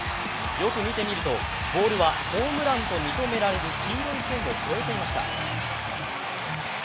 よく見てみるとボールはホームランと認められる黄色い線を越えていました。